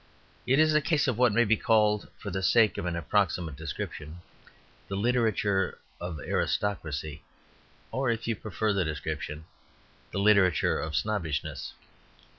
It is the case of what may be called, for the sake of an approximate description, the literature of aristocracy; or, if you prefer the description, the literature of snobbishness.